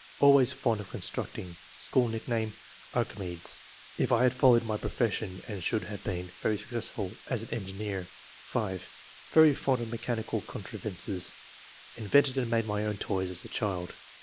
'' Always fond of constructing ; school nickname, 'Archimedes.' If I had followed my profession should probably have been [very successful as] an engineer." 5. "Very fond of mechanical contrivances. Invented and made my own toys as a child.